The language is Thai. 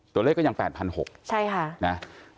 ตัวเลขก็ยัง๘๖๐๐ใช่ค่ะ